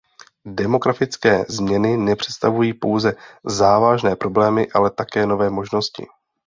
Demografické změny nepředstavují pouze závažné problémy, ale také nové možnosti.